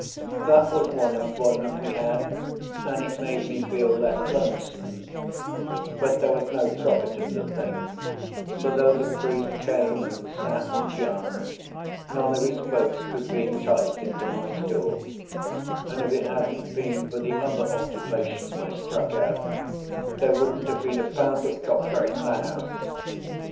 That was one employment we had, and it made me feel less lonesome; but there was no profit in the thing, for though the priest came and sat and yarned, none of his folks could be enticed into my store; and if it hadn't been for the other occupation I struck out, there wouldn't have been a pound of copra in the house.